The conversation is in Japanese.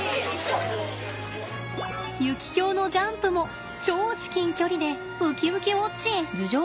ユキヒョウのジャンプも超至近距離でうきうきウォッチン！